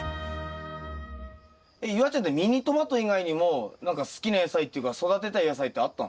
えっ夕空ちゃんってミニトマト以外にも何か好きな野菜っていうか育てたい野菜ってあったの？